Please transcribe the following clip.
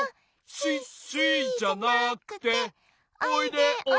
「シッシじゃなくておいでおいでおいで！」